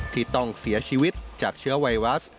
ที่ต้องเสียชีวิตจากเชื้อไวรัส